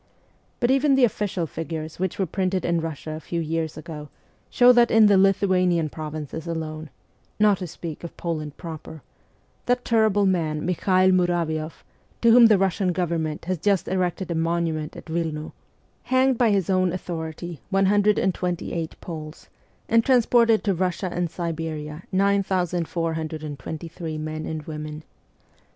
But even the official figures which were printed in Russia a few years ago show that in the Lithuanian provinces alone not to speak of Poland proper that terrible man Mikhael Muravioff, to whom the Eussian Government has just erected a monument at Wilno, hanged by his own authority 128 Poles, and transported to Russia and Siberia 9,423 men and women.